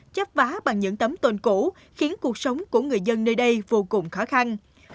chấp vá bằng những tấm tôn cũ khiến cuộc sống của người dân nơi đây vô cùng khó khăn